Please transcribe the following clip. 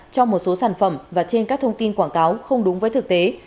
cho một số sản phẩm và trên các thông tin quảng cáo không đúng với thực tế